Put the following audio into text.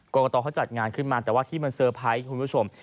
กรกตเขาจัดงานขึ้นมาแต่ว่าที่มันเซอร์ไพรส์คุณผู้ชม